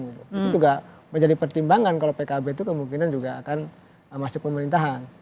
itu juga menjadi pertimbangan kalau pkb itu kemungkinan juga akan masuk pemerintahan